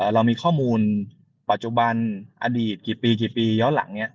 เรามีข้อมูลปัจจุบันอดีตกี่ปีกี่ปีย้อนหลัง